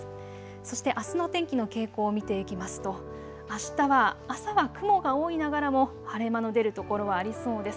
そしてあすの天気の傾向を見ていきますと、あしたは朝は雲が多いながらも晴れ間の出るところはありそうです。